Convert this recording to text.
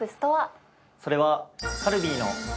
それは。